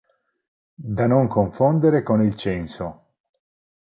Da non confondere con il censo.